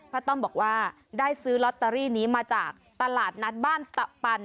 ต้อมบอกว่าได้ซื้อลอตเตอรี่นี้มาจากตลาดนัดบ้านตะปัน